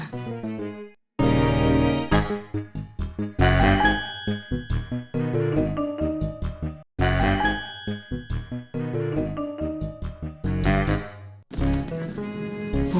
tidak ada apa apa